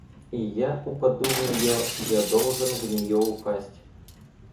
И я упаду в нее, я должен в нее упасть.